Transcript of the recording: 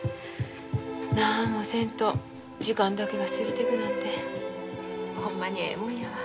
何もせんと時間だけが過ぎていくなんてほんまにええもんやわ。